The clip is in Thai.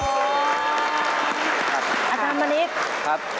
ครับ